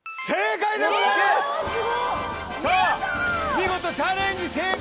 見事チャレンジ。